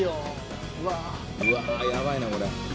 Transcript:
うわやばいなこれ。